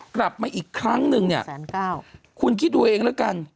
กลับมาอีกครั้งนึงเนี่ยคุณคิดดูเองแล้วกัน